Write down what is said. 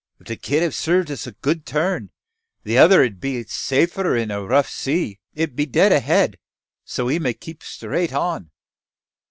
If the kit have served us a good turn, the other 'ud be safer in a rough sea. It be dead ahead, so we may keep straight on."